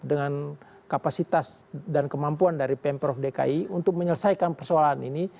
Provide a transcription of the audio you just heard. dengan kapasitas dan kemampuan dari pemprov dki untuk menyelesaikan persoalan ini